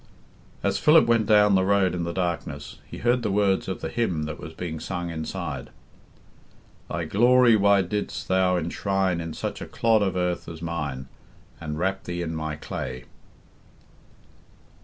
As Philip went down the road in the darkness, he heard the words of the hymn that was being sung inside: "Thy glory why didst Thou enshrine In such a clod of earth as mine, And wrap Thee in my clay."